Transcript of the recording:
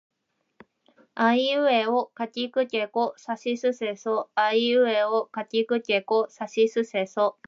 あいうえおかきくけこさしすせそあいうえおかきくけこさしすせそ